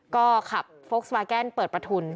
ก็ขับโฟกสมาแกนเปิดประทุน